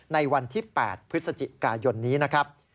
ในวันที่๘พฤศจิกายนนี้นะครับ